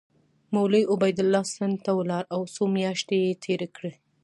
مولوي عبیدالله سند ته ولاړ او څو میاشتې یې تېرې کړې.